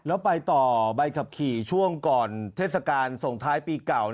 แล้วไปต่อใบขับขี่ช่วงก่อนเทศกาลส่งท้ายปีเก่า